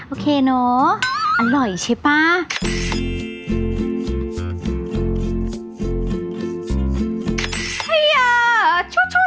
โอเคเนอะอร่อยใช่ป่ะ